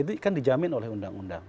itu kan dijamin oleh undang undang